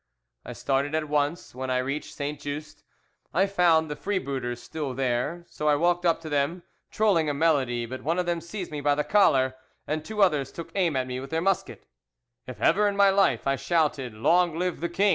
"I started at once: when I reached Saint Just I found the freebooters still there; so I walked up to them, trolling a melody, but one of them seized me by the collar and two others took aim at me with their muskets. "If ever in my life I shouted 'Long live the king!